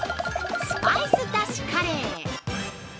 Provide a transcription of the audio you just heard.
スパイス出汁カレー。